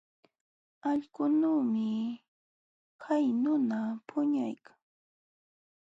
Allqunuumi hay nuna puñuykan.